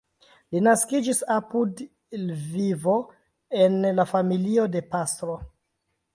Li naskiĝis apud Lvivo en la familio de pastro.